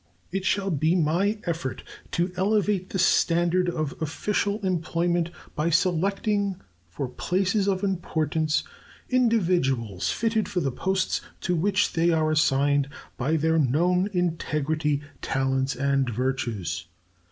It shall be my effort to elevate the standard of official employment by selecting for places of importance individuals fitted for the posts to which they are assigned by their known integrity, talents, and virtues.